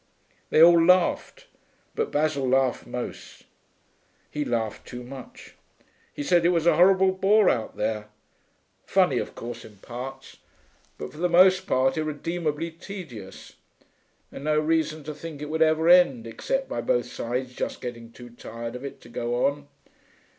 They all laughed, but Basil laughed most; he laughed too much. He said it was a horrible bore out there; funny, of course, in parts, but for the most part irredeemably tedious. And no reason to think it would ever end, except by both sides just getting too tired of it to go on....